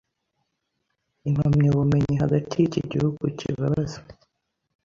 Impamyabumenyi hagati yiki gihugu kibabaza